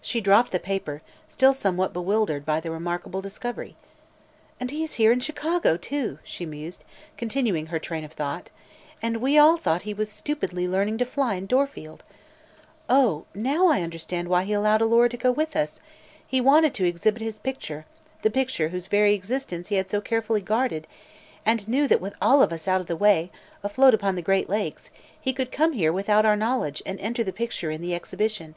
She dropped the paper, still somewhat bewildered by the remarkable discovery. "And he is here in Chicago, too!" she mused, continuing her train of thought, "and we all thought he was stupidly learning to fly in Dorfield. Oh, now I understand why he allowed Alora to go with us. He wanted to exhibit his picture the picture whose very existence he had so carefully guarded and knew that with all of us out of the way, afloat upon the Great Lakes, he could come here without our knowledge and enter the picture in the exhibition.